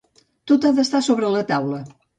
Tot ha d'estar sobre la taula.